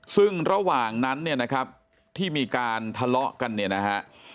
ซึ่งระหว่างนั้นเนี่ยนะครับที่มีการทะเลาะกันเนี่ยนะฮะ